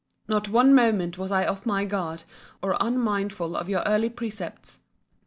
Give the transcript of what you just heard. Not one moment was I off my guard, or unmindful of your early precepts.